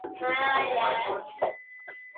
El Vivero Nacional de Toledo lleva su nombre.